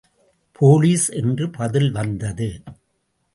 Police என்று பதில் வந்தது.